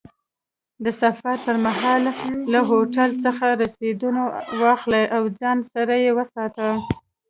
د سفر پر مهال له هوټل څخه رسیدونه واخله او ځان سره یې وساته.